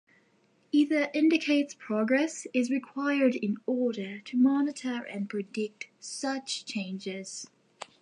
Either indicates progress is required in order to monitor and predict such changes.